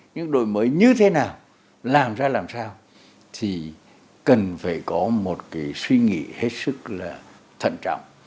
những đổi mới như thế nào làm ra làm sao thì cần phải có một cái suy nghĩ hết sức là thận trọng